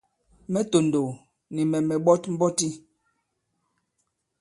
Mɛ̌ tòndòw, nì mɛ̀ mɛ̀ ɓɔt mbɔti.